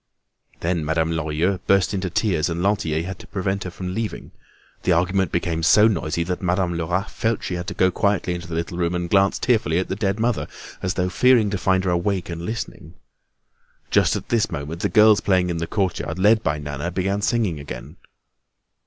Then Madame Lorilleux burst into tears and Lantier had to prevent her from leaving. The argument became so noisy that Madame Lerat felt she had to go quietly into the little room and glance tearfully at her dead mother, as though fearing to find her awake and listening. Just at this moment the girls playing in the courtyard, led by Nana, began singing again.